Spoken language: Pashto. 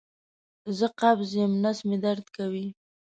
زه قبض یم نس مې درد کوي